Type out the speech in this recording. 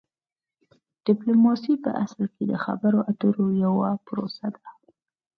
ډیپلوماسي په اصل کې د خبرو اترو یوه پروسه ده